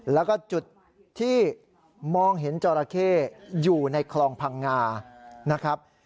แล้วก็จุดที่มองเห็นจอราเข้อยู่ในคลองพังงานะครับ